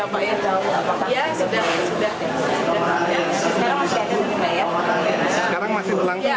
sekarang masih berlangsung ya